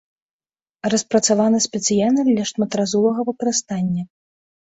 Распрацаваны спецыяльна для шматразовага выкарыстання.